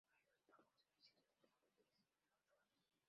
Hay dos pagodas en el sitio del templo, que es inusual.